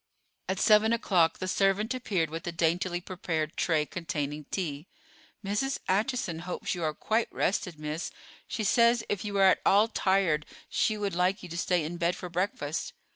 At seven o'clock the servant appeared with a daintily prepared tray containing tea. "Mrs. Acheson hopes you are quite rested, miss. She says if you are at all tired she would like you to stay in bed for breakfast."